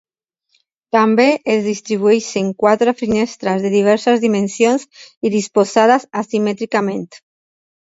També es distribueixen quatre finestres de diverses dimensions i disposades asimètricament.